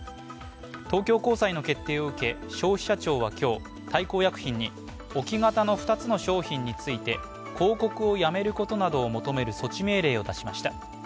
東京高裁の決定を受け消費者庁は今日大幸薬品に置き型の２つの商品について広告をやめることなどを求める措置命令を出しました。